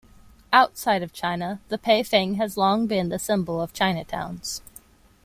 Outside of China, the paifang has long been the symbol of Chinatowns.